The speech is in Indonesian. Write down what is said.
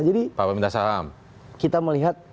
jadi kita melihat